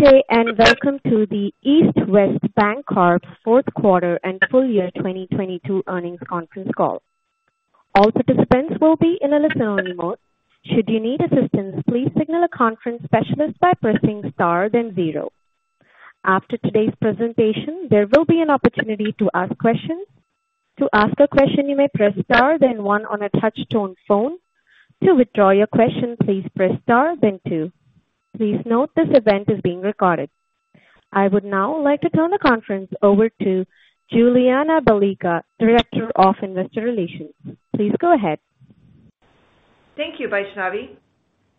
Good day. Welcome to the East West Bancorp 4th Quarter and Full Year 2022 Earnings Conference Call. All participants will be in a listen-only mode. Should you need assistance, please signal a conference specialist by pressing star then zero. After today's presentation, there will be an opportunity to ask questions. To ask a question, you may press star then one on a touch-tone phone. To withdraw your question, please press star then two. Please note this event is being recorded. I would now like to turn the conference over to Julianna Balicka, Director of Investor Relations. Please go ahead. Thank you, Vaishnavi.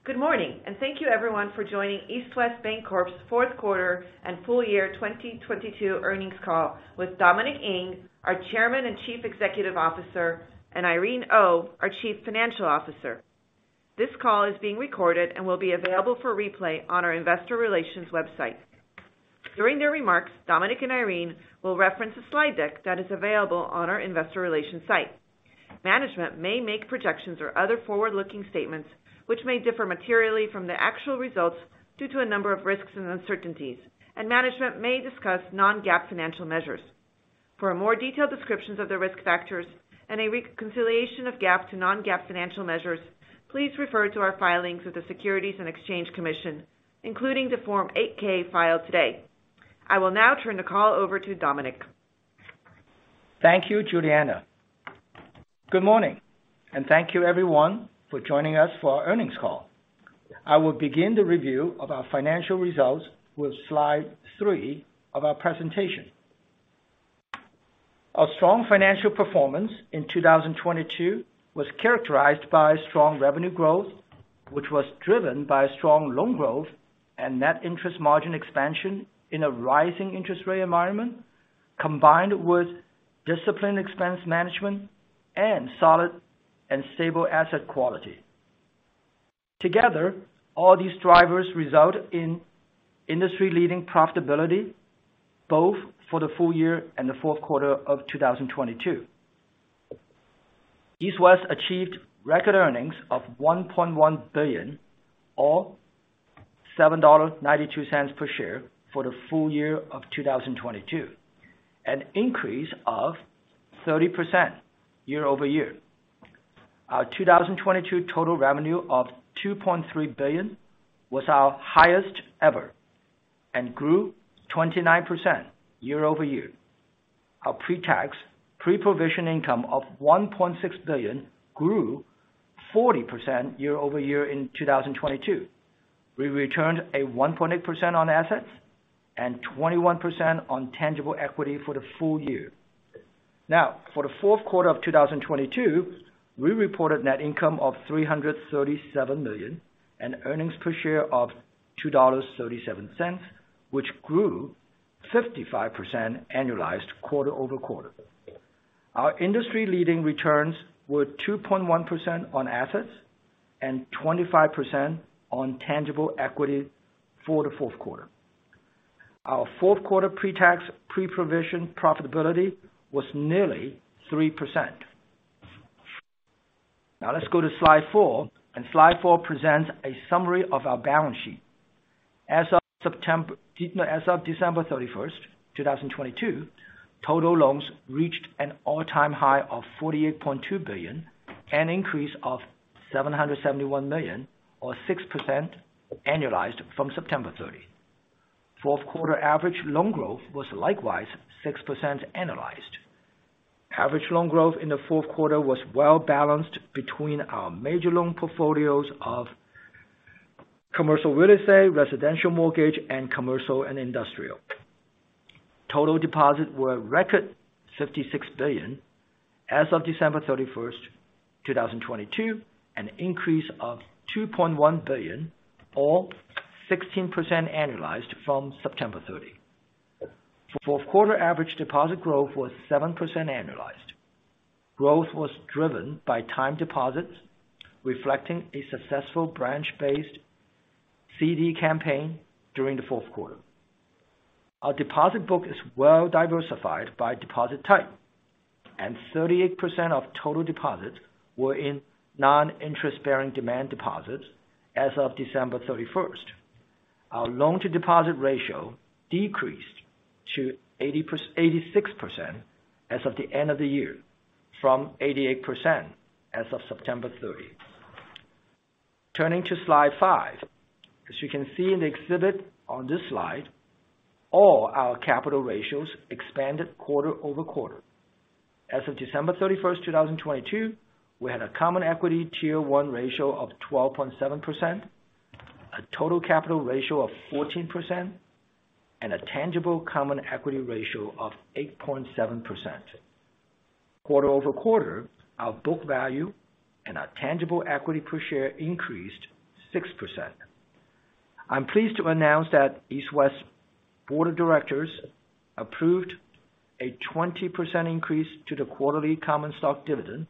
Good morning, and thank you everyone for joining East West Bancorp's fourth quarter and full year 2022 earnings call with Dominic Ng, our Chairman and Chief Executive Officer, and Irene Oh, our Chief Financial Officer. This call is being recorded and will be available for replay on our investor relations website. During their remarks, Dominic and Irene will reference a slide deck that is available on our investor relations site. Management may make projections or other forward-looking statements which may differ materially from the actual results due to a number of risks and uncertainties, and management may discuss non-GAAP financial measures. For a more detailed descriptions of the risk factors and a reconciliation of GAAP to non-GAAP financial measures, please refer to our filings with the Securities and Exchange Commission, including the Form 8-K filed today. I will now turn the call over to Dominic. Thank you, Julianna. Good morning. Thank you everyone for joining us for our earnings call. I will begin the review of our financial results with slide three of our presentation. Our strong financial performance in 2022 was characterized by strong revenue growth, which was driven by strong loan growth and Net Interest Margin expansion in a rising interest rate environment, combined with disciplined expense management and solid and stable asset quality. Together, all these drivers result in industry-leading profitability both for the full year and the fourth quarter of 2022. East West achieved record earnings of $1.1 billion or $7.92 per share for the full year of 2022, an increase of 30% year-over-year. Our 2022 total revenue of $2.3 billion was our highest ever and grew 29% year-over-year. Our Pre-Tax Pre-Provision income of $1.6 billion grew 40% year-over-year in 2022. We returned a 1.8% on assets and 21% on tangible equity for the full year. For the fourth quarter of 2022, we reported net income of $337 million and earnings per share of $2.37, which grew 55% annualized quarter-over-quarter. Our industry-leading returns were 2.1% on assets and 25% on tangible equity for the fourth quarter. Our fourth quarter Pre-Tax Pre-Provision profitability was nearly 3%. Let's go to slide four. Slide four presents a summary of our balance sheet. As of December 31, 2022, total loans reached an all-time high of $48.2 billion, an increase of $771 million or 6% annualized from September 30. Fourth quarter average loan growth was likewise 6% annualized. Average loan growth in the fourth quarter was well balanced between our major loan portfolios of Commercial Real Estate, residential mortgage, and Commercial and Industrial. Total deposits were a record $56 billion as of December 31, 2022, an increase of $2.1 billion or 16% annualized from September 30. Fourth quarter average deposit growth was 7% annualized. Growth was driven by time deposits, reflecting a successful branch-based CD campaign during the fourth quarter. Our deposit book is well diversified by deposit type, and 38% of total deposits were in non-interest-bearing demand deposits as of December 31. Our loan to deposit ratio decreased to 86% as of the end of the year from 88% as of September 30. Turning to slide five. As you can see in the exhibit on this slide, all our capital ratios expanded quarter-over-quarter. As of December 31, 2022, we had a Common Equity Tier 1 ratio of 12.7%, a total capital ratio of 14%, and a Tangible Common Equity ratio of 8.7%. Quarter-over-quarter, our book value and our tangible equity per share increased 6%. I'm pleased to announce that East West Board of Directors approved a 20% increase to the quarterly common stock dividend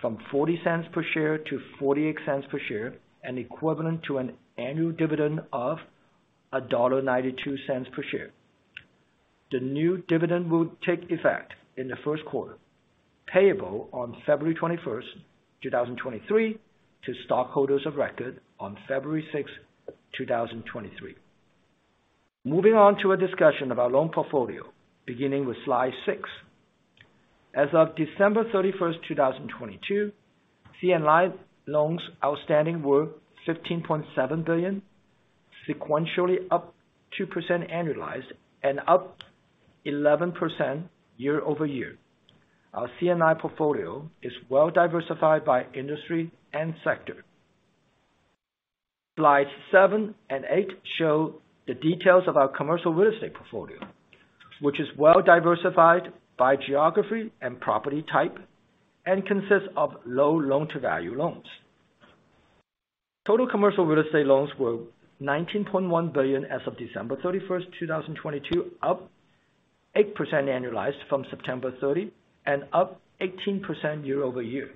from $0.40 per share to $0.48 per share, an equivalent to an annual dividend of $1.92 per share. The new dividend will take effect in the first quarter, payable on February 21, 2023 to stockholders of record on February 6, 2023. Moving on to a discussion of our loan portfolio, beginning with slide six. As of December 31, 2022, C&I loans outstanding were $15.7 billion, sequentially up 2% annualized and up 11% year-over-year. Our C&I portfolio is well diversified by industry and sector. Slides seven and eight show the details of our Commercial Real Estate portfolio, which is well diversified by geography and property type and consists of low loan to value loans. Total Commercial Real Estate loans were $19.1 billion as of December 31st, 2022, up 8% annualized from September 30 and up 18% year-over-year.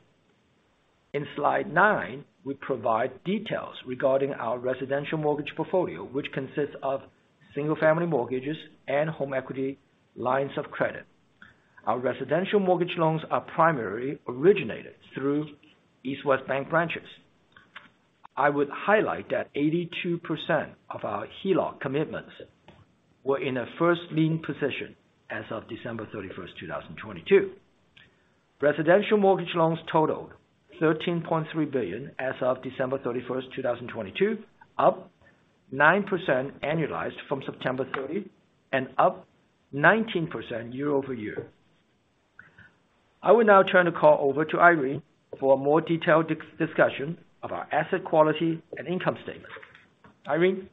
In slide nine, we provide details regarding our residential mortgage portfolio, which consists of single-family mortgages and home equity lines of credit. Our residential mortgage loans are primarily originated through East West Bank branches. I would highlight that 82% of our HELOC commitments were in a first lien position as of December 31st, 2022. Residential mortgage loans totaled $13.3 billion as of December 31st, 2022, up 9% annualized from September 30 and up 19% year-over-year. I will now turn the call over to Irene for a more detailed discussion of our asset quality and income statement. Irene?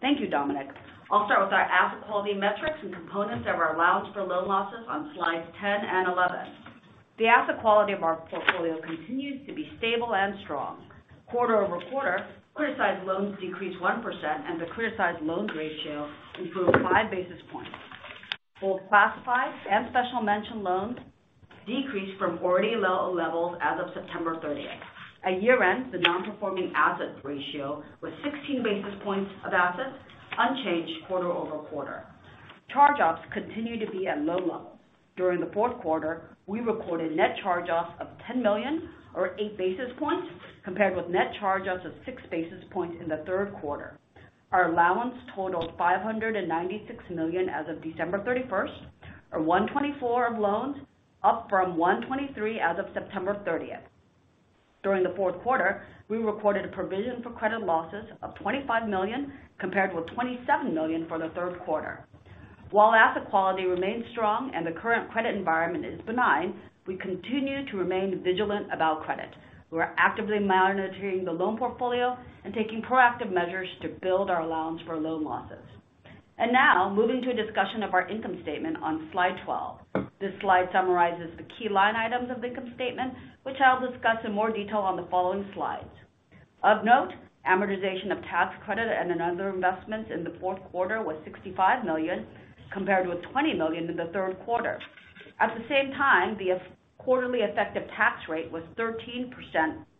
Thank you, Dominic. I'll start with our asset quality metrics and components of our allowance for loan losses on slides 10 and 11. The asset quality of our portfolio continues to be stable and strong. Quarter-over-quarter, criticized loans decreased 1% and the criticized loan ratio improved 5 basis points. Both classified and special mention loans decreased from already low levels as of September thirtieth. At year-end, the non-performing asset ratio was 16 basis points of assets, unchanged quarter-over-quarter. Charge-offs continue to be at low levels. During the fourth quarter, we recorded net charge-offs of $10 million or 8 basis points compared with net charge-offs of 6 basis points in the third quarter. Our allowance totaled $596 million as of December thirty-first, or 1.24% of loans, up from 1.23% as of September thirtieth. During the fourth quarter, we recorded a provision for credit losses of $25 million compared to a $27 million for the third quarter. While asset quality remains strong and the current credit environment is benign, we continue to remain vigilant about credit. We are actively monitoring the loan portfolio and taking proactive measures to build our allowance for loan losses. Now moving to a discussion of our income statement on slide 12. This slide summarizes the key line items of the income statement, which I'll discuss in more detail on the following slides. Of note, amortization of tax credit and in other investments in the fourth quarter was $65 million, compared with $20 million in the third quarter. At the same time, the quarterly effective tax rate was 13%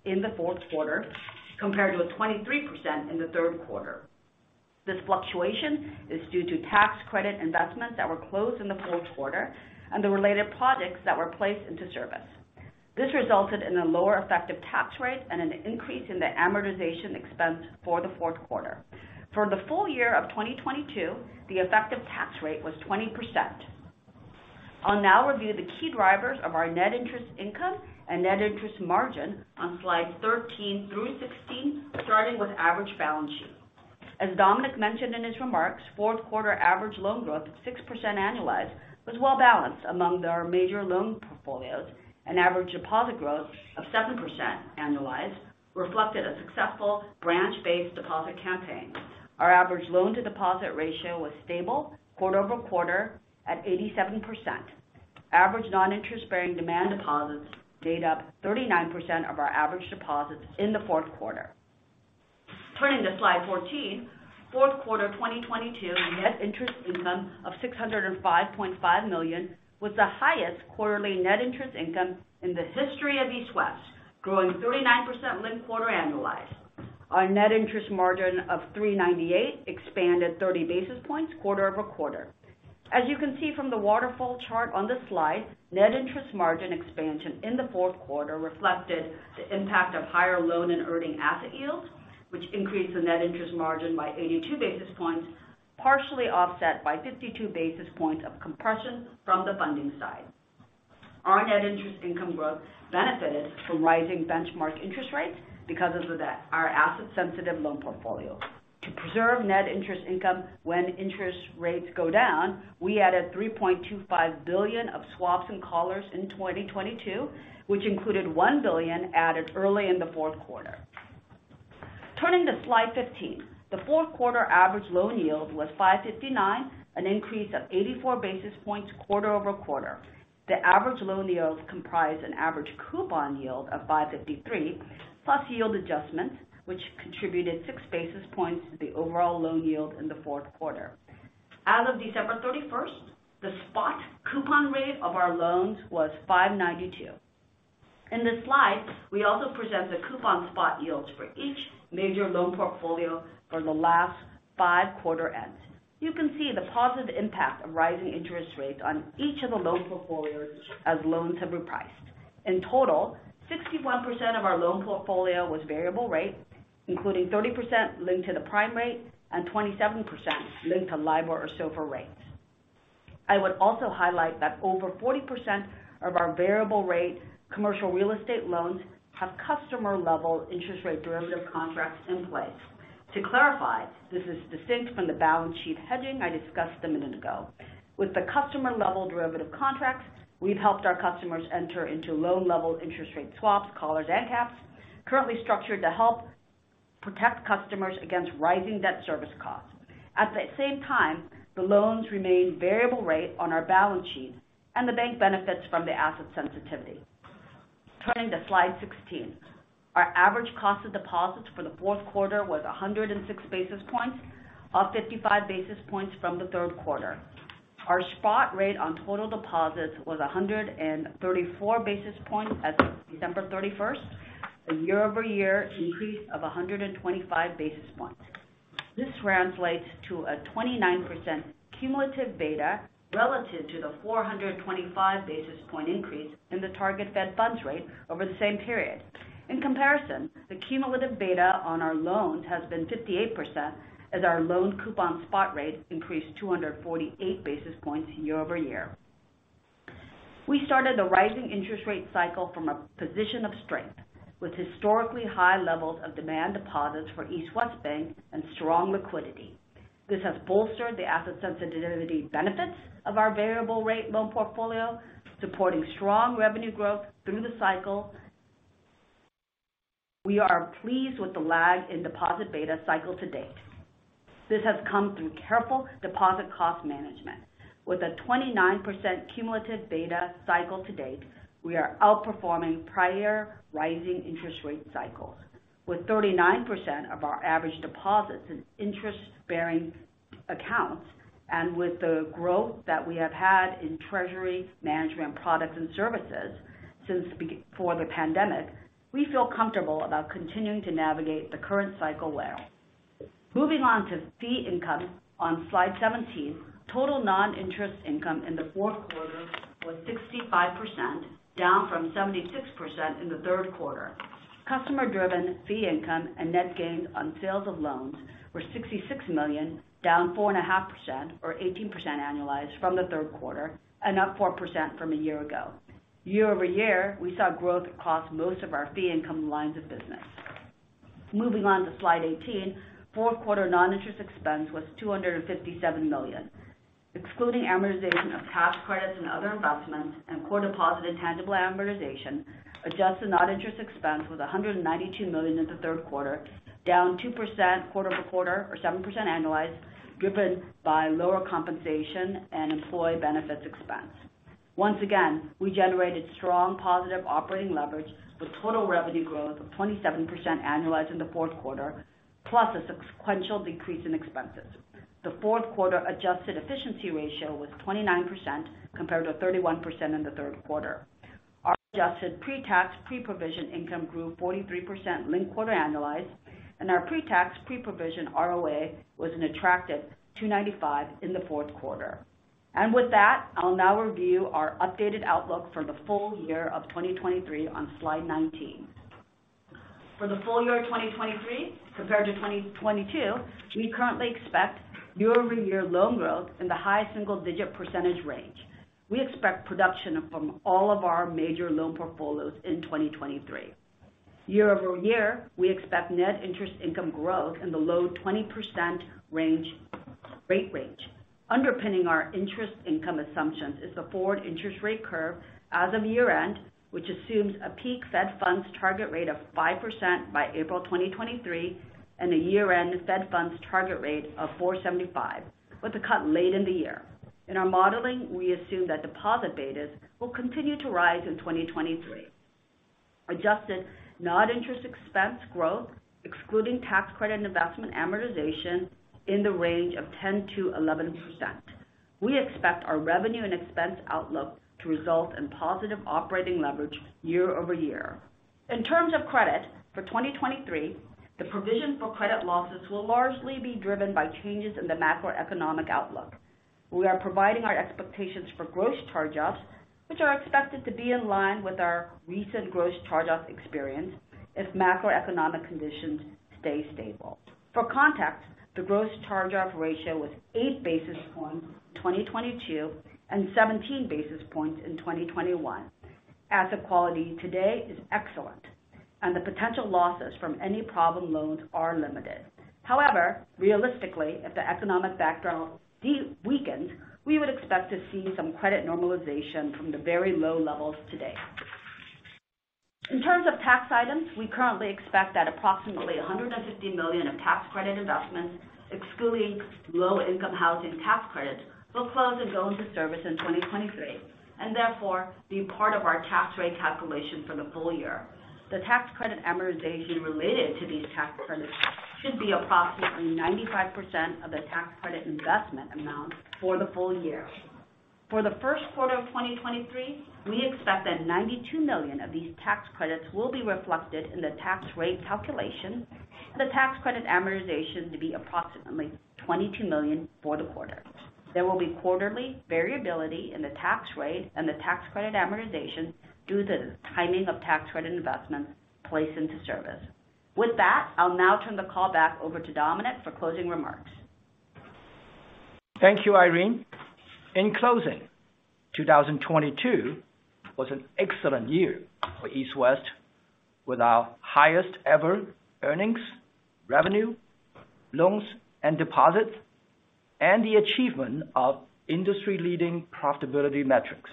in the fourth quarter, compared to a 23% in the third quarter. This fluctuation is due to tax credit investments that were closed in the fourth quarter and the related projects that were placed into service. This resulted in a lower effective tax rate and an increase in the amortization expense for the fourth quarter. For the full year of 2022, the effective tax rate was 20%. I'll now review the key drivers of our net interest income and net interest margin on slide 13 through 16, starting with average balance sheet. As Dominic mentioned in his remarks, fourth quarter average loan growth of 6% annualized was well balanced among our major loan portfolios and average deposit growth of 7% annualized reflected a successful branch-based deposit campaign. Our average loan to deposit ratio was stable quarter-over-quarter at 87%. Average non-interest bearing demand deposits made up 39% of our average deposits in the fourth quarter. Turning to slide 14. Fourth quarter 2022 net interest income of $605.5 million was the highest quarterly net interest income in the history of East West, growing 39% linked quarter annualized. Our Net Interest Margin of 3.98% expanded 30 basis points quarter-over-quarter. As you can see from the waterfall chart on this slide, Net Interest Margin expansion in the fourth quarter reflected the impact of higher loan and earning asset yields, which increased the Net Interest Margin by 82 basis points, partially offset by 52 basis points of compression from the funding side. Our net interest income growth benefited from rising benchmark interest rates because of our asset sensitive loan portfolio. To preserve net interest income when interest rates go down, we added $3.25 billion of swaps and callers in 2022, which included $1 billion added early in the fourth quarter. Turning to slide 15. The fourth quarter average loan yield was 5.59, an increase of 84 basis points quarter-over-quarter. The average loan yield comprised an average coupon yield of 5.53, plus yield adjustments, which contributed 6 basis points to the overall loan yield in the fourth quarter. As of December 31st, the spot coupon rate of our loans was 5.92. In this slide, we also present the coupon spot yields for each major loan portfolio for the last five quarter ends. You can see the positive impact of rising interest rates on each of the loan portfolios as loans have repriced. In total, 61% of our loan portfolio was variable rate, including 30% linked to the prime rate and 27% linked to LIBOR or SOFR rates. I would also highlight that over 40% of our variable rate commercial real estate loans have customer-level interest rate derivative contracts in place. To clarify, this is distinct from the balance sheet hedging I discussed a minute ago. With the customer-level derivative contracts, we've helped our customers enter into loan-level interest rate swaps, collars, and caps currently structured to help protect customers against rising debt service costs. At the same time, the loans remain variable rate on our balance sheet and the bank benefits from the asset sensitivity. Turning to slide 16. Our average cost of deposits for the fourth quarter was 106 basis points, up 55 basis points from the third quarter. Our spot rate on total deposits was 134 basis points at December 31st, a year-over-year increase of 125 basis points. This translates to a 29% cumulative beta relative to the 425 basis point increase in the target Fed funds rate over the same period. In comparison, the cumulative beta on our loans has been 58% as our loan coupon spot rate increased 248 basis points year-over-year. We started the rising interest rate cycle from a position of strength, with historically high levels of demand deposits for East West Bank and strong liquidity. This has bolstered the asset sensitivity benefits of our variable rate loan portfolio, supporting strong revenue growth through the cycle. We are pleased with the lag in deposit beta cycle to date. This has come through careful deposit cost management. With a 29% cumulative beta cycle to date, we are outperforming prior rising interest rate cycles. With 39% of our average deposits in interest-bearing accounts, and with the growth that we have had in treasury management products and services since before the pandemic, we feel comfortable about continuing to navigate the current cycle well. Moving on to fee income on slide 17. Total non-interest income in the fourth quarter was 65%, down from 76% in the third quarter. Customer-driven fee income and net gains on sales of loans were $66 million, down 4.5% or 18% annualized from the third quarter and up 4% from a year ago. Year-over-year, we saw growth across most of our fee income lines of business. Moving on to slide 18. Fourth quarter non-interest expense was $257 million. Excluding amortization of tax credits and other investments and core deposit intangible amortization, adjusted non-interest expense was $192 million in the third quarter, down 2% quarter-over-quarter or 7% annualized, driven by lower compensation and employee benefits expense. Once again, we generated strong positive operating leverage with total revenue growth of 27% annualized in the fourth quarter, plus a sequential decrease in expenses. The fourth quarter adjusted efficiency ratio was 29% compared to 31% in the third quarter. Our adjusted Pre-Tax Pre-Provision income grew 43% linked quarter annualized, our Pre-Tax Pre-Provision ROA was an attractive 2.95 in the fourth quarter. With that, I'll now review our updated outlook for the full year of 2023 on slide 19. For the full year of 2023 compared to 2022, we currently expect year-over-year loan growth in the high single-digit % range. We expect production from all of our major loan portfolios in 2023. Year-over-year, we expect net interest income growth in the low 20% range, rate range. Underpinning our interest income assumptions is the forward interest rate curve as of year-end, which assumes a peak Fed funds target rate of 5% by April 2023 and a year-end Fed funds target rate of 4.75%, with a cut late in the year. In our modeling, we assume that deposit betas will continue to rise in 2023. Adjusted non-interest expense growth, excluding tax credit and investment amortization in the range of 10%-11%. We expect our revenue and expense outlook to result in positive operating leverage year-over-year. In terms of credit for 2023, the provision for credit losses will largely be driven by changes in the macroeconomic outlook. We are providing our expectations for gross charge-offs, which are expected to be in line with our recent gross charge-off experience if macroeconomic conditions stay stable. For context, the gross charge-off ratio was 8 basis points in 2022 and 17 basis points in 2021. Asset quality today is excellent and the potential losses from any problem loans are limited. However, realistically, if the economic background weakens, we would expect to see some credit normalization from the very low levels today. In terms of tax items, we currently expect that approximately $150 million of tax credit investments, excluding Low-Income Housing Tax Credit, will close and go into service in 2023, and therefore be part of our tax rate calculation for the full year. The tax credit amortization related to these tax credits should be approximately 95% of the tax credit investment amount for the full year. For the first quarter of 2023, we expect that $92 million of these tax credits will be reflected in the tax rate calculation. The tax credit amortization to be approximately $22 million for the quarter. There will be quarterly variability in the tax rate and the tax credit amortization due to the timing of tax credit investments placed into service. With that, I'll now turn the call back over to Dominic for closing remarks. Thank you, Irene. In closing, 2022 was an excellent year for East West, with our highest ever earnings, revenue, loans, and deposits, and the achievement of industry-leading profitability metrics.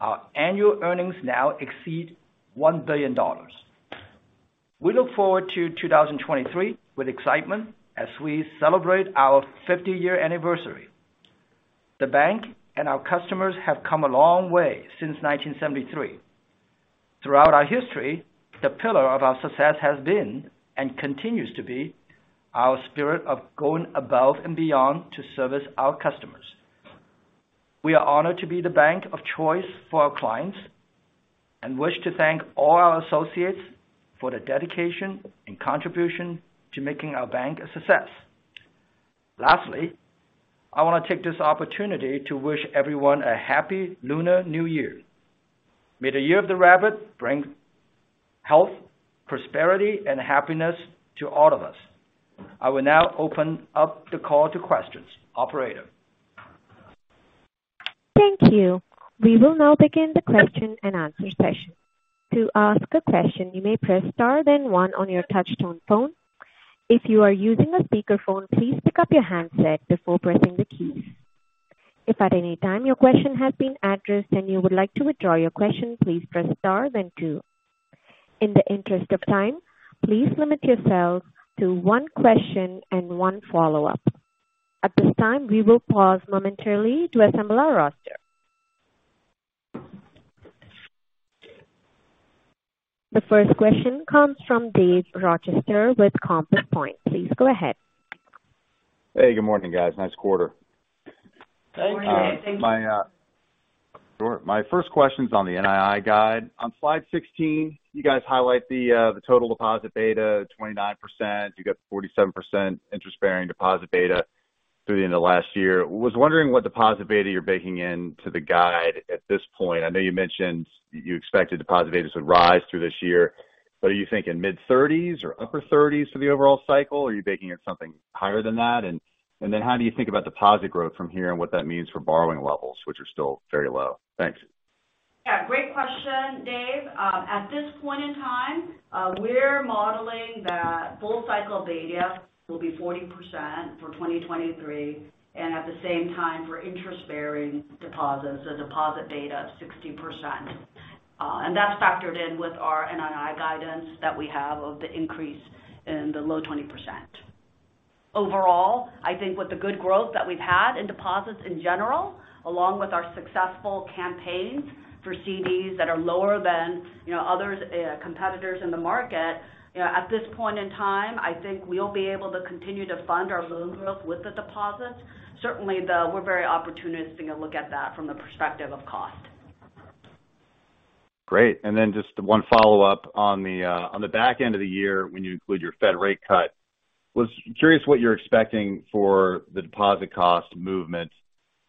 Our annual earnings now exceed $1 billion. We look forward to 2023 with excitement as we celebrate our 50-year anniversary. The bank and our customers have come a long way since 1973. Throughout our history, the pillar of our success has been, and continues to be, our spirit of going above and beyond to service our customers. We are honored to be the bank of choice for our clients and wish to thank all our associates for their dedication and contribution to making our bank a success. Lastly, I want to take this opportunity to wish everyone a happy Lunar New Year. May the Year of the Rabbit bring health, prosperity, and happiness to all of us. I will now open up the call to questions. Operator? Thank you. We will now begin the question and answer session. To ask a question, you may press star then one on your touchtone phone. If you are using a speakerphone, please pick up your handset before pressing the keys. If at any time your question has been addressed and you would like to withdraw your question, please press star then two. In the interest of time, please limit yourselves to one question and one follow-up. At this time, we will pause momentarily to assemble our roster. The first question comes from Dave Rochester with Compass Point. Please go ahead. Hey, good morning, guys. Nice quarter. Thank you. Good morning, Dave. Thank you. My first question is on the NII guide. On slide 16, you guys highlight the total deposit beta at 29%. You got 47% interest-bearing deposit beta through the end of last year. Was wondering what deposit beta you're baking into the guide at this point. I know you mentioned you expected deposit betas would rise through this year, but are you thinking mid-thirties or upper thirties for the overall cycle? Are you baking in something higher than that? Then how do you think about deposit growth from here and what that means for borrowing levels, which are still very low? Thanks. Yeah, great question, Dave. At this point in time, we're modeling that full cycle beta will be 40% for 2023 and at the same time, for interest-bearing deposits, a deposit beta of 60%. That's factored in with our NII guidance that we have of the increase in the low 20%. Overall, I think with the good growth that we've had in deposits in general, along with our successful campaigns for CDs that are lower than, you know, other competitors in the market. You know, at this point in time, I think we'll be able to continue to fund our loan growth with the deposits. Certainly, though, we're very opportunistic and look at that from the perspective of cost. Great. Just one follow-up on the back end of the year when you include your Fed rate cut. Was curious what you're expecting for the deposit cost movement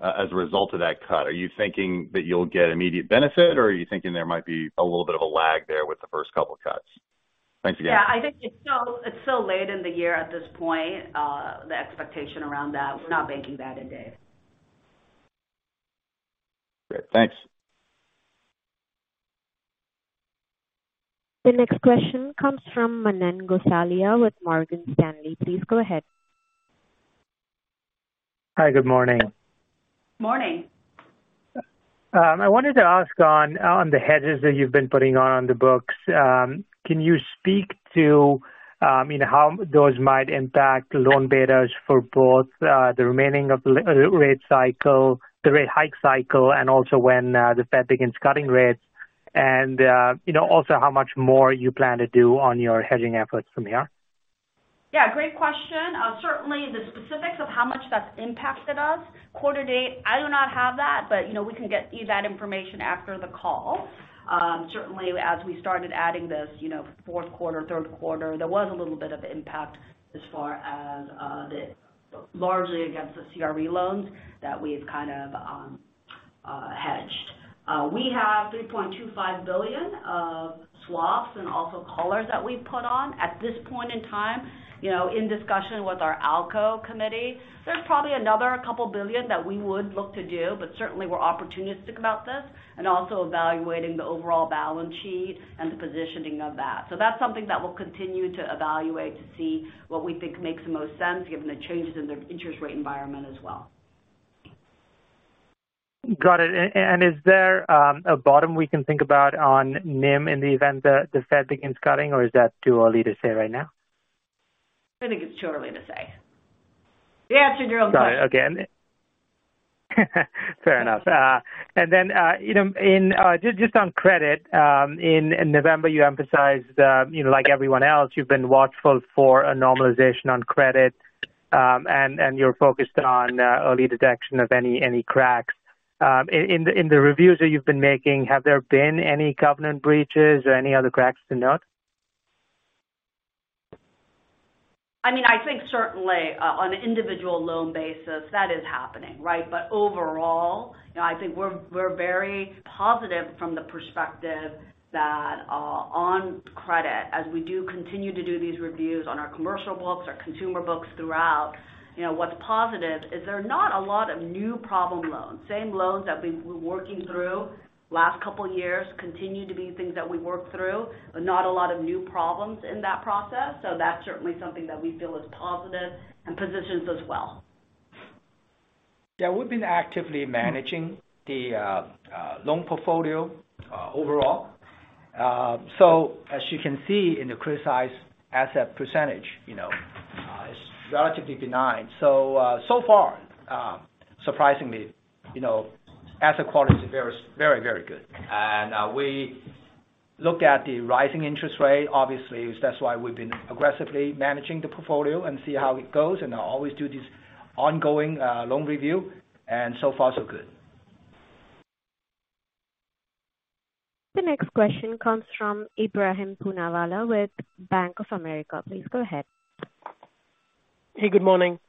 as a result of that cut? Are you thinking that you'll get immediate benefit, or are you thinking there might be a little bit of a lag there with the first couple of cuts? Thanks again. Yeah, I think it's so, it's so late in the year at this point, the expectation around that. We're not baking that in, Dave. Great. Thanks. The next question comes from Manan Gosalia with Morgan Stanley. Please go ahead. Hi. Good morning. Morning. I wanted to ask on the hedges that you've been putting on the books. Can you speak to, you know, how those might impact loan betas for both, the remaining of the rate cycle, the rate hike cycle, and also when the Fed begins cutting rates? You know, also how much more you plan to do on your hedging efforts from here? Yeah, great question. certainly the specifics of how much that's impacted us quarter to date, I do not have that. you know, we can get you that information after the call. certainly as we started adding this, you know, fourth quarter, third quarter, there was a little bit of impact as far as the largely against the CRE loans that we've kind of hedged. we have $3.25 billion of swaps and also callers that we've put on. At this point in time, you know, in discussion with our ALCO committee, there's probably another couple billion that we would look to do, certainly we're opportunistic about this and also evaluating the overall balance sheet and the positioning of that. That's something that we'll continue to evaluate to see what we think makes the most sense given the changes in the interest rate environment as well. Got it. Is there, a bottom we can think about on NIM in the event that the Fed begins cutting, or is that too early to say right now? I think it's too early to say. Yeah, sure. Sorry, again. Fair enough. You know, in just on credit, in November, you emphasized, you know, like everyone else, you've been watchful for a normalization on credit, and you're focused on early detection of any cracks. In the reviews that you've been making, have there been any covenant breaches or any other cracks to note? I mean, I think certainly on an individual loan basis that is happening, right? Overall, you know, I think we're very positive from the perspective that on credit, as we do continue to do these reviews on our commercial books, our consumer books throughout, you know, what's positive is there are not a lot of new problem loans. Same loans that we've been working through last couple years continue to be things that we work through, but not a lot of new problems in that process. That's certainly something that we feel is positive and positions us well. Yeah. We've been actively managing the loan portfolio overall. As you can see in the criticized asset percentage, you know, it's relatively benign. So far, surprisingly, you know, asset quality is very, very, very good. We look at the rising interest rate, obviously that's why we've been aggressively managing the portfolio and see how it goes. I always do this ongoing loan review and so far so good. The next question comes from Ebrahim Poonawala with Bank of America. Please go ahead. Hey, good morning.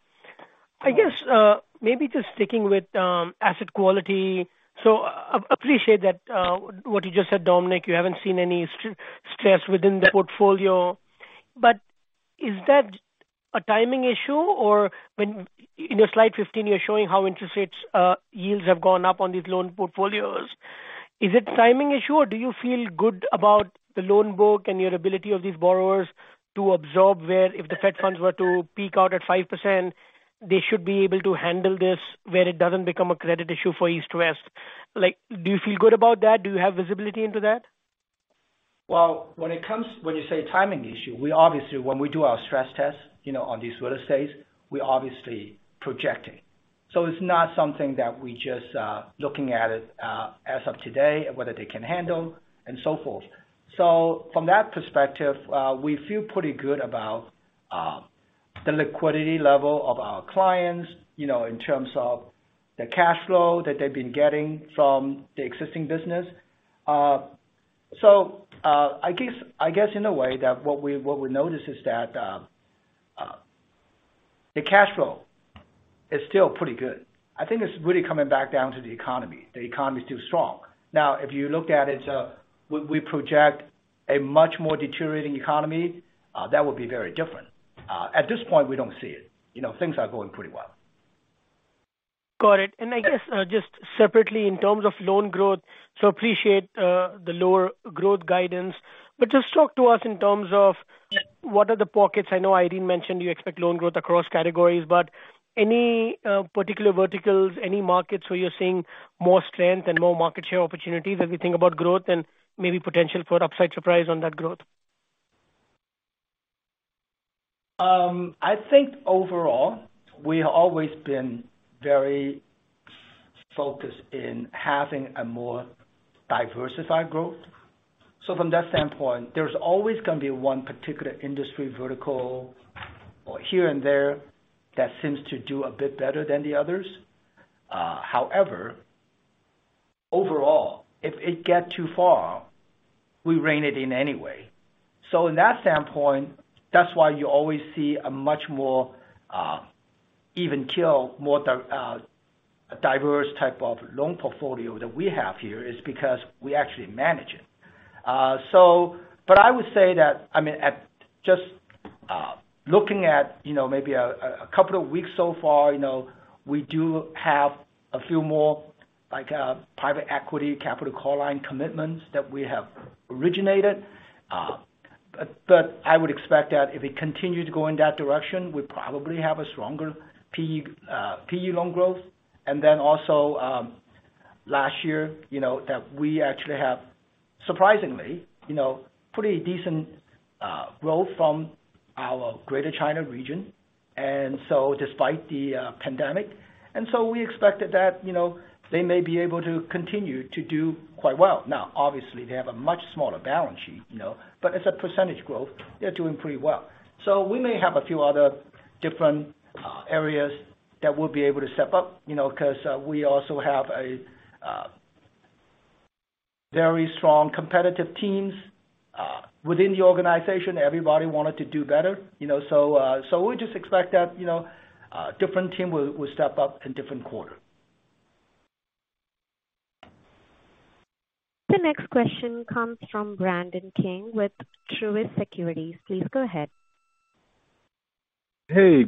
Good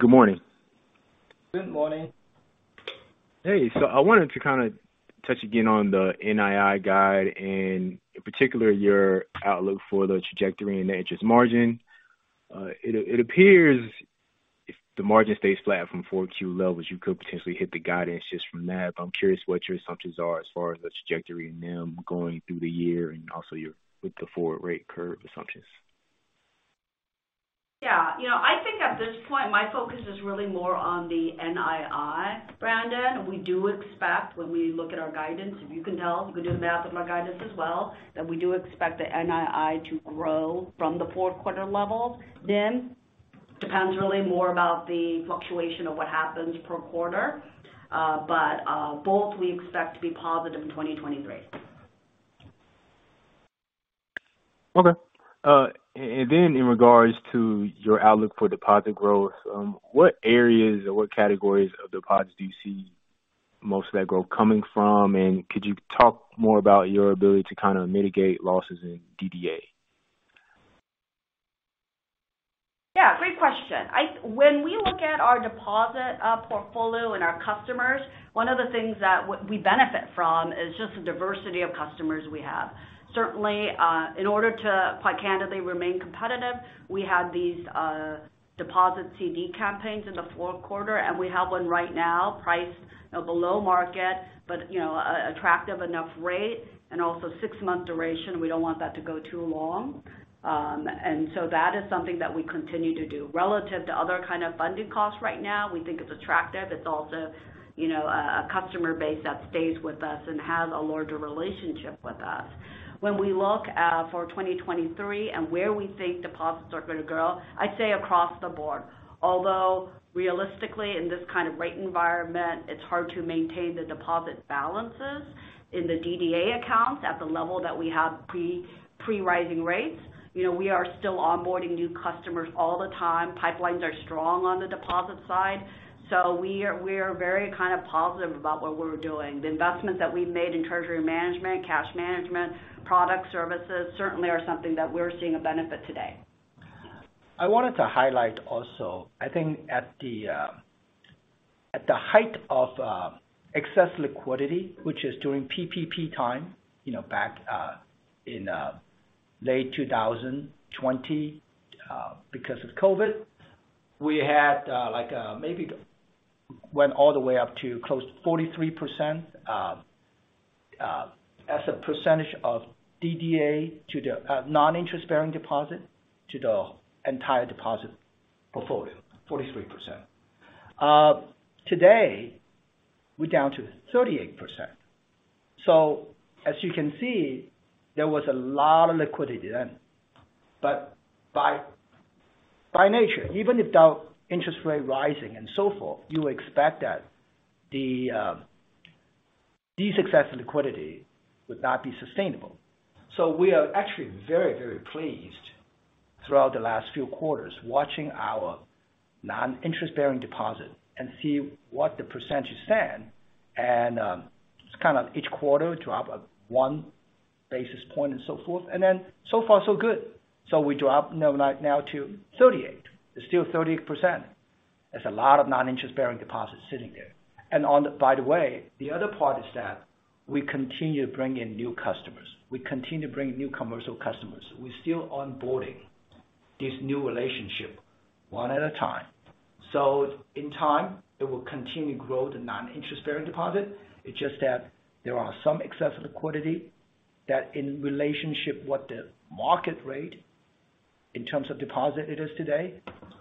morning. Hey. I wanted to kinda touch again on the NII guide and in particular your outlook for the trajectory in the interest margin. It appears if the margin stays flat from 4Q levels, you could potentially hit the guidance just from that. I'm curious what your assumptions are as far as the trajectory in them going through the year and also with the forward rate curve assumptions? Yeah. You know, I think at this point, my focus is really more on the NII, Ebrahim. We do expect when we look at our guidance, if you can tell, you can do the math of our guidance as well, that we do expect the NII to grow from the fourth quarter level. Depends really more about the fluctuation of what happens per quarter. Both we expect to be positive in 2023. Okay. In regards to your outlook for deposit growth, what areas or what categories of deposits do you see most of that growth coming from? Could you talk more about your ability to kind of mitigate losses in DDA? Great question. When we look at our deposit portfolio and our customers, one of the things that we benefit from is just the diversity of customers we have. Certainly, in order to, quite candidly, remain competitive, we had these deposit CD campaigns in the fourth quarter. We have one right now priced below market, but, you know, attractive enough rate and also six month duration. We don't want that to go too long. That is something that we continue to do. Relative to other kind of funding costs right now, we think it's attractive. It's also, you know, a customer base that stays with us and has a larger relationship with us. When we look for 2023 and where we think deposits are going to grow, I'd say across the board. Although realistically, in this kind of rate environment, it's hard to maintain the deposit balances in the DDA accounts at the level that we had pre-rising rates. You know, we are still onboarding new customers all the time. Pipelines are strong on the deposit side. We are very kind of positive about what we're doing. The investments that we've made in treasury management, cash management, product services certainly are something that we're seeing a benefit today. I wanted to highlight also, I think at the height of excess liquidity, which is during PPP time, you know, back in late 2020, because of COVID, we had like maybe went all the way up to close to 43% as a percentage of DDA to the non-interest bearing deposit to the entire deposit portfolio. 43%. Today we're down to 38%. As you can see, there was a lot of liquidity then. By nature, even without interest rate rising and so forth, you expect that these excess liquidity would not be sustainable. We are actually very, very pleased throughout the last few quarters watching our non-interest bearing deposit and see what the percentage stand. It's kind of each quarter drop of 1 basis point and so forth. So far so good. We drop now to 38. It's still 38%. There's a lot of non-interest bearing deposits sitting there. By the way, the other part is that we continue to bring in new customers. We continue to bring new commercial customers. We're still onboarding this new relationship one at a time. In time, it will continue to grow the non-interest bearing deposit. It's just that there are some excess liquidity that in relationship what the market rate in terms of deposit it is today.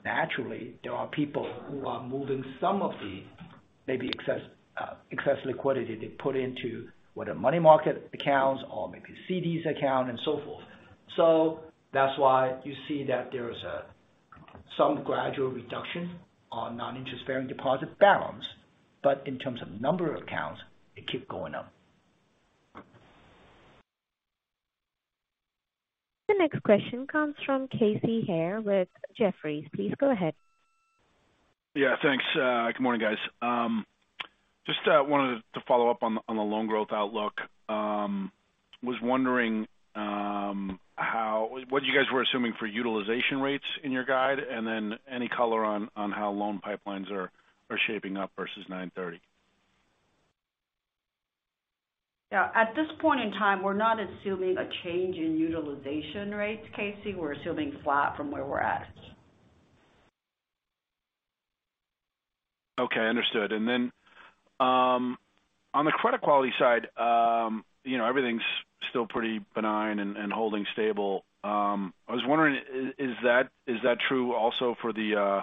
Naturally, there are people who are moving some of the maybe excess excess liquidity they put into, what, a money market accounts or maybe CDs account and so forth. That's why you see that there is some gradual reduction on non-interest bearing deposit balance. In terms of number of accounts, it keep going up. The next question comes from Casey Haire with Jefferies. Please go ahead. Yeah, thanks. Good morning, guys. Just wanted to follow up on the, on the loan growth outlook. Was wondering what you guys were assuming for utilization rates in your guide, and then any color on how loan pipelines are shaping up versus 9/30. Yeah. At this point in time, we're not assuming a change in utilization rates, Casey. We're assuming flat from where we're at. Okay, understood. On the credit quality side, you know, everything's still pretty benign and holding stable. I was wondering, is that true also for the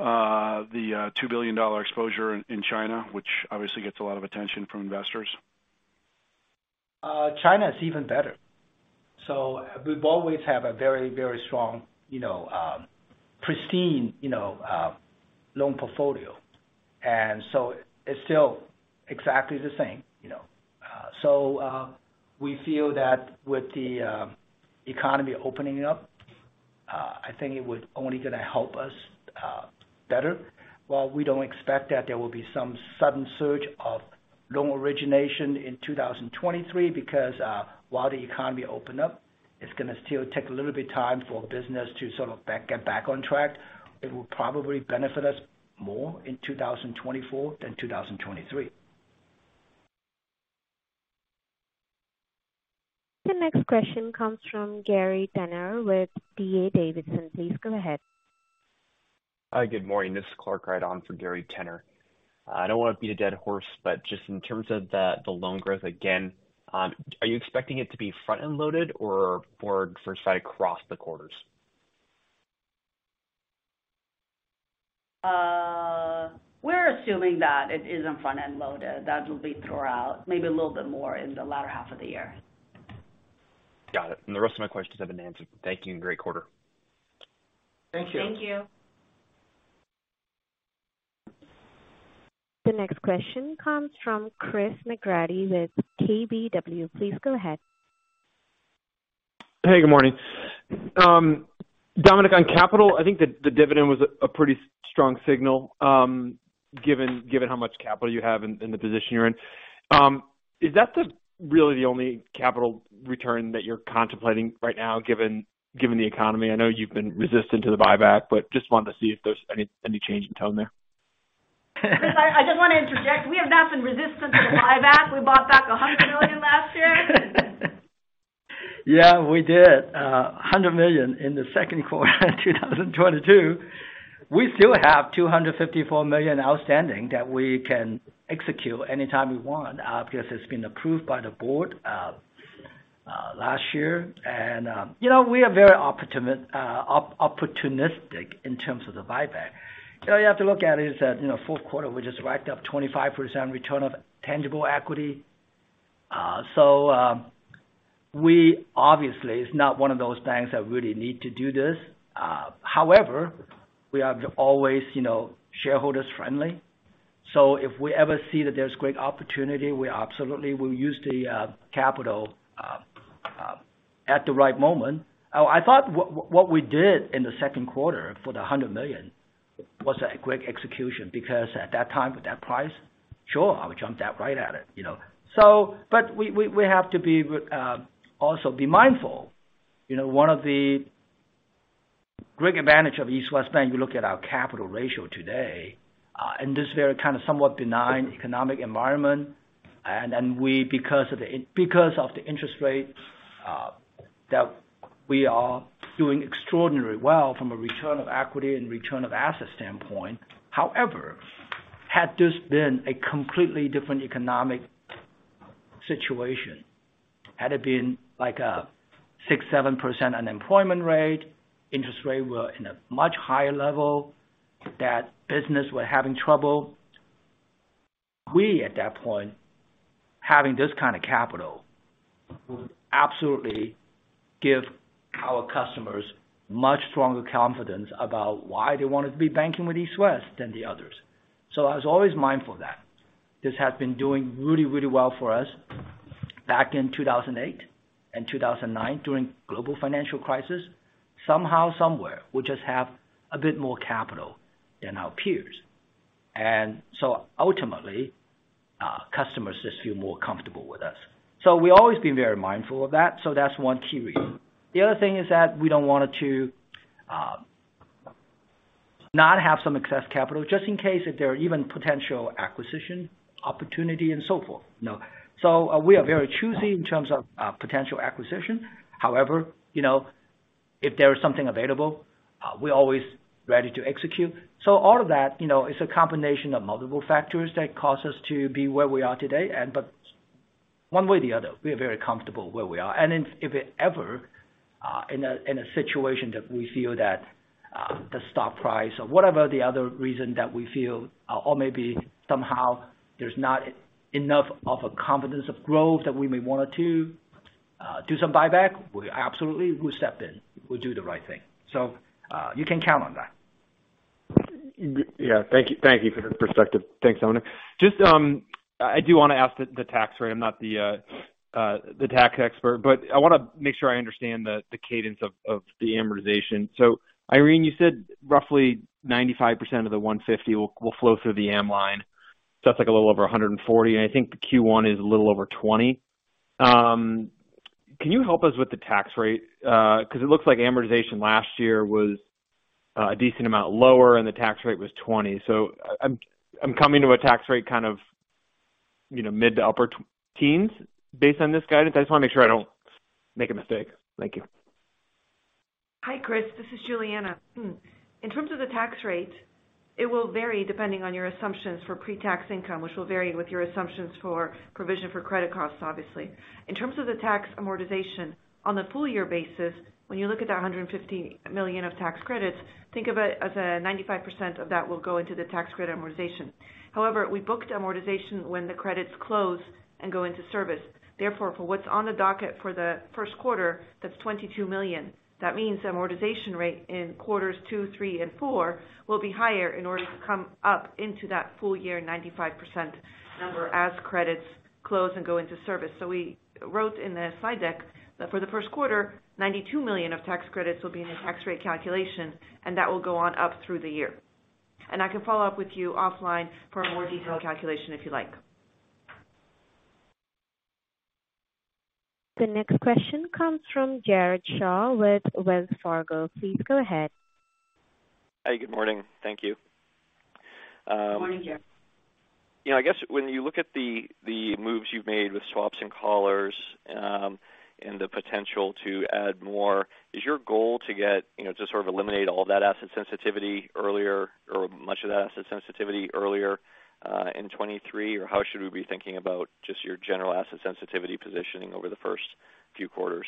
$2 billion exposure in China, which obviously gets a lot of attention from investors? China is even better. We've always have a very, very strong, you know, pristine, you know, loan portfolio. It's still exactly the same, you know. We feel that with the economy opening up, I think it was only gonna help us better. While we don't expect that there will be some sudden surge of loan origination in 2023, because, while the economy open up, it's gonna still take a little bit time for business to get back on track. It will probably benefit us more in 2024 than 2023. The next question comes from Gary Tenner with D.A. Davidson & Co. Please go ahead. Hi, good morning. This is Clark Wright for Gary Tenner. I don't want to beat a dead horse, but just in terms of the loan growth again, are you expecting it to be front-end loaded or more first sight across the quarters? We're assuming that it isn't front-end loaded. That will be throughout maybe a little bit more in the latter half of the year. Got it. The rest of my questions have been answered. Thank you. Great quarter. Thank you. Thank you. The next question comes from Chris McGratty with KBW. Please go ahead. Hey, good morning. Dominic, on capital, I think the dividend was a pretty strong signal, given how much capital you have and the position you're in. Is that the really the only capital return that you're contemplating right now, given the economy? I know you've been resistant to the buyback. Just wanted to see if there's any change in tone there. Chris, I just want to interject. We have not been resistant to the buyback. We bought back $100 million last year. Yeah, we did $100 million in the second quarter of 2022. We still have $254 million outstanding that we can execute anytime we want because it's been approved by the board last year. You know, we are very opportunistic in terms of the buyback. You know, you have to look at is that, you know, fourth quarter, we just racked up 25% return of Tangible Common Equity. So, we obviously is not one of those banks that really need to do this. However, we are always, you know, shareholders friendly. If we ever see that there's great opportunity, we absolutely will use the capital at the right moment. I thought what we did in the second quarter for the $100 million was a great execution because at that time, with that price, sure, I would jump that right at it, you know. We have to be also be mindful. You know, one of the great advantage of East West Bank, you look at our capital ratio today, in this very kind of somewhat benign economic environment. We, because of the interest rates, that we are doing extraordinary well from a return of equity and return of asset standpoint. However, had this been a completely different economic situation, had it been like a 6%, 7% unemployment rate, interest rate were in a much higher level, that business were having trouble. We, at that point, having this kind of capital, would absolutely give our customers much stronger confidence about why they wanted to be banking with East West than the others. I was always mindful of that. This has been doing really, really well for us back in 2008 and 2009 during global financial crisis. Somehow, somewhere, we just have a bit more capital than our peers. Ultimately, customers just feel more comfortable with us. We've always been very mindful of that. That's one key reason. The other thing is that we don't want it to not have some excess capital just in case if there are even potential acquisition opportunity and so forth, you know. We are very choosy in terms of potential acquisition. However, you know, if there is something available, we're always ready to execute. All of that, you know, is a combination of multiple factors that cause us to be where we are today. One way or the other, we are very comfortable where we are. If it ever in a situation that we feel that the stock price or whatever the other reason that we feel or maybe somehow there's not enough of a confidence of growth that we may want to do some buyback, we absolutely will step in. We'll do the right thing. You can count on that. Yeah. Thank you. Thank you for the perspective. Thanks, Dominic. Just, I do want to ask the tax rate. I'm not the tax expert, but I want to make sure I understand the cadence of the amortization. Irene, you said roughly 95% of the $150 will flow through the M line. That's like a little over $140. I think the Q1 is a little over $20. Can you help us with the tax rate? Because it looks like amortization last year was a decent amount lower and the tax rate was 20%. I'm coming to a tax rate kind of, you know, mid to upper teens based on this guidance. I just want to make sure I don't make a mistake. Thank you. Hi, Chris. This is Julianna. In terms of the tax rate, it will vary depending on your assumptions for pre-tax income, which will vary with your assumptions for provision for credit costs obviously. In terms of the tax amortization on the full year basis, when you look at that $150 million of tax credits, think of it as a 95% of that will go into the tax credit amortization. However, we booked amortization when the credits close and go into service. Therefore, for what's on the docket for the first quarter, that's $22 million. That means amortization rate in quarters two, three and four will be higher in order to come up into that full year 95% number as credits close and go into service. We wrote in the slide deck that for the first quarter, $92 million of tax credits will be in the tax rate calculation and that will go on up through the year. I can follow up with you offline for a more detailed calculation if you like. The next question comes from Jared Shaw with Wells Fargo. Please go ahead. Hi, good morning. Thank you. Good morning, Jared. You know, I guess when you look at the moves you've made with swaps and collars, and the potential to add more, is your goal to get, you know, to sort of eliminate all that asset sensitivity earlier or much of that asset sensitivity earlier, in 23? Or how should we be thinking about just your general asset sensitivity positioning over the first few quarters?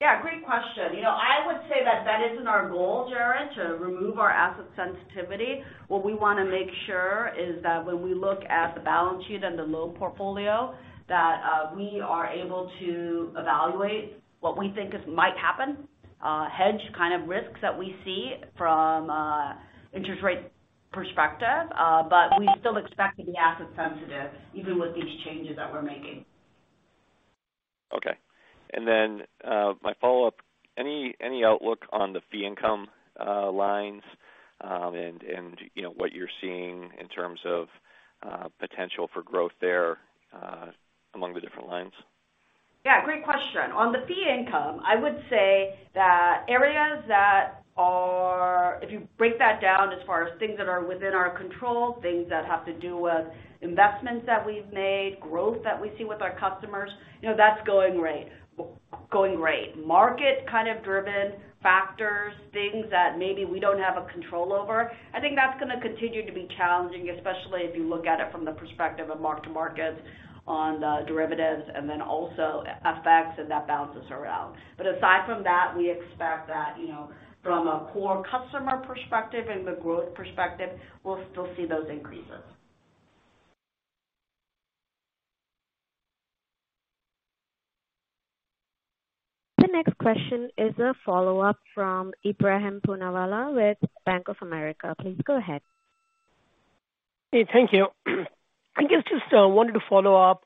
Yeah, great question. You know, I would say that that isn't our goal, Jared, to remove our asset sensitivity. What we wanna make sure is that when we look at the balance sheet and the loan portfolio, that, we are able to evaluate what we think is might happen, hedge kind of risks that we see from an interest rate perspective. We still expect to be asset sensitive even with these changes that we're making. Okay. My follow-up. Any outlook on the fee income lines, and you know, what you're seeing in terms of potential for growth there among the different lines? Yeah, great question. On the fee income, I would say that if you break that down as far as things that are within our control, things that have to do with investments that we've made, growth that we see with our customers, you know, that's going great. Going great. Market kind of driven factors, things that maybe we don't have a control over, I think that's going to continue to be challenging, especially if you look at it from the perspective of mark-to-market on the derivatives and then also FX and that balances around. Aside from that, we expect that, you know, from a core customer perspective and the growth perspective, we will still see those increases. The next question is a follow-up from Ebrahim Poonawala with Bank of America. Please go ahead. Hey, thank you. I guess just wanted to follow up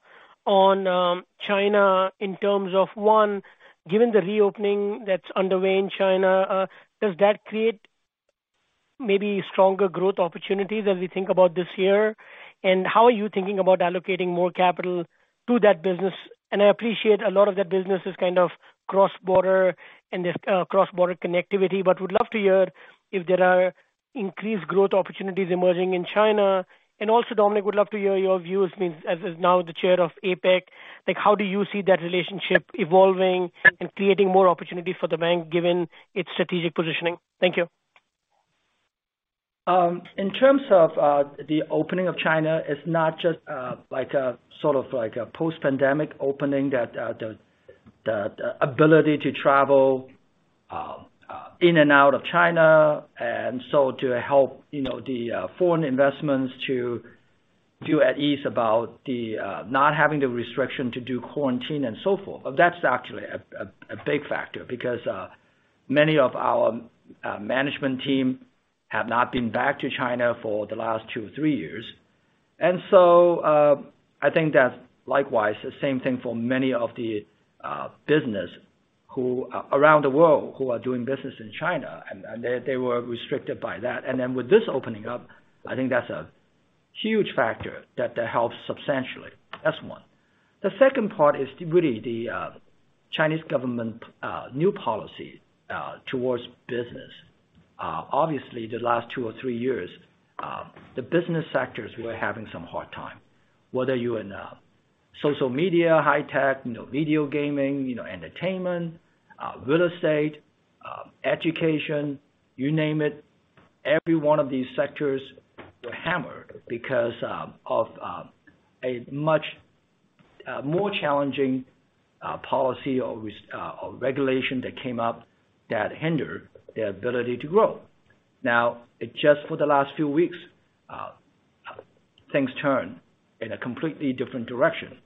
on China in terms of, one, given the reopening that's underway in China, does that create maybe stronger growth opportunities as we think about this year? How are you thinking about allocating more capital to that business? I appreciate a lot of that business is kind of cross-border and there's cross-border connectivity, but would love to hear if there are increased growth opportunities emerging in China. Also, Dominic, would love to hear your views means as is now the Chair of APEC, like, how do you see that relationship evolving and creating more opportunity for the bank given its strategic positioning? Thank you. In terms of the opening of China is not just a post-pandemic opening that the ability to travel in and out of China, and so to help, you know, foreign investments to feel at ease about not having the restriction to do quarantine and so forth. That's actually a big factor because many of our management team have not been back to China for the last two or three years. I think that likewise, the same thing for many of the business who around the world who are doing business in China, they were restricted by that. With this opening up, I think that's a huge factor that helps substantially. That's one. The second part is really the Chinese government new policy towards business. Obviously, the last two or three years, the business sectors were having some hard time, whether you're in social media, high tech, you know, video gaming, you know, entertainment, real estate, education, you name it, every one of these sectors were hammered because of a much more challenging policy or regulation that came up that hindered their ability to grow. Now, it just for the last few weeks, things turned in a completely different direction.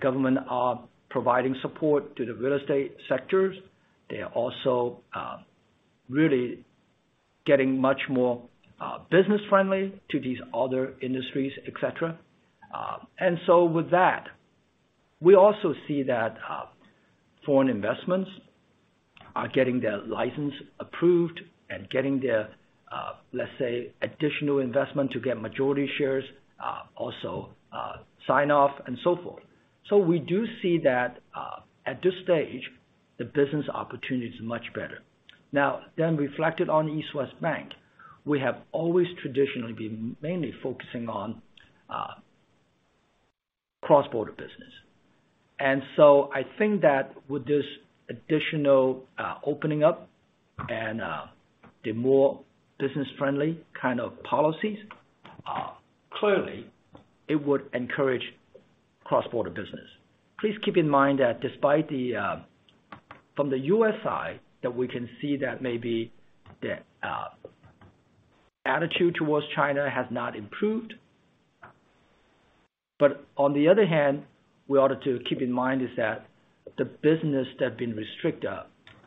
Government are providing support to the real estate sectors. They are also really getting much more business friendly to these other industries, et cetera. With that, we also see that foreign investments are getting their license approved and getting their, let's say, additional investment to get majority shares, also, sign off and so forth. We do see that at this stage, the business opportunity is much better. Reflected on East West Bank, we have always traditionally been mainly focusing on cross-border business. I think that with this additional opening up and the more business friendly kind of policies, clearly it would encourage cross-border business. Please keep in mind that despite the From the U.S. side, that we can see that maybe the attitude towards China has not improved. On the other hand, we ought to keep in mind is that the business that have been restricted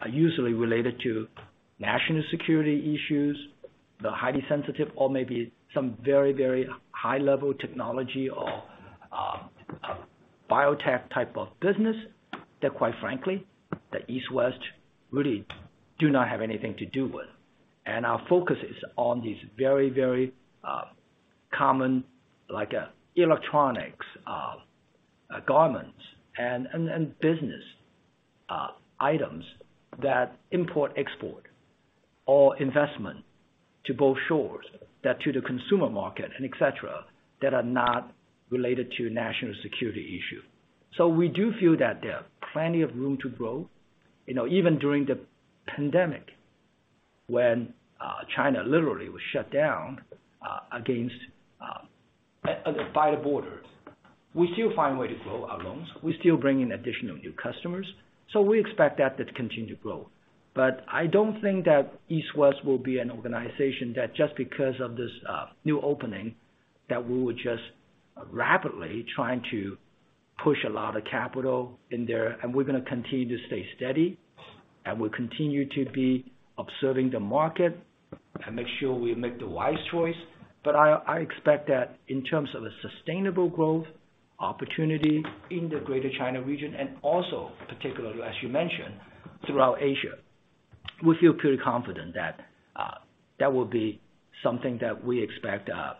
are usually related to national security issues, they're highly sensitive or maybe some very, very high level technology or biotech type of business that quite frankly, that East West really do not have anything to do with. Our focus is on these very, very common, like electronics, garments and business items that import, export, or investment to both shores that to the consumer market and etc., that are not related to national security issue. We do feel that there are plenty of room to grow. You know, even during the pandemic when China literally was shut down against by the borders, we still find way to grow our loans. We still bring in additional new customers. We expect that to continue to grow. I don't think that East West will be an organization that just because of this new opening, that we will just rapidly trying to push a lot of capital in there. We're gonna continue to stay steady, and we'll continue to be observing the market and make sure we make the wise choice. I expect that in terms of a sustainable growth opportunity in the Greater China region, and also particularly, as you mentioned, throughout Asia, we feel pretty confident that that will be something that we expect a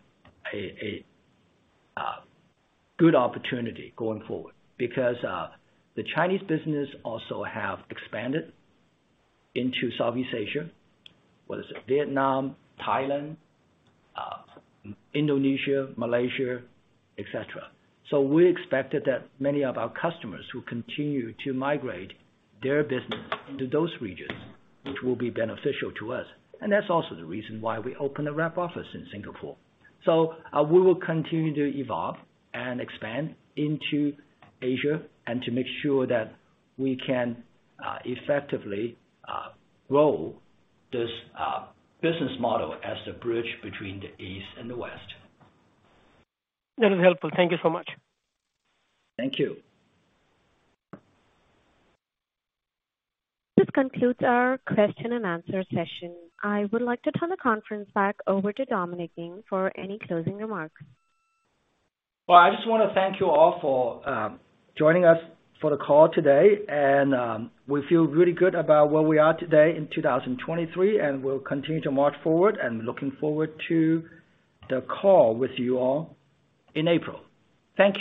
good opportunity going forward. The Chinese business also have expanded into Southeast Asia, whether it's Vietnam, Thailand, Indonesia, Malaysia, et cetera. We expected that many of our customers will continue to migrate their business into those regions, which will be beneficial to us. That's also the reason why we opened a rep office in Singapore. We will continue to evolve and expand into Asia and to make sure that we can effectively grow this business model as the bridge between the East and the West. That is helpful. Thank you so much. Thank you. This concludes our question and answer session. I would like to turn the conference back over to Dominic Ng for any closing remarks. Well, I just wanna thank you all for joining us for the call today. We feel really good about where we are today in 2023, and we'll continue to march forward. Looking forward to the call with you all in April. Thank you.